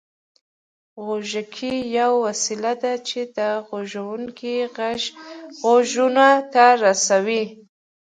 غوږيکې يوه وسيله ده چې د غږوونکي غږ غوږونو ته رسوي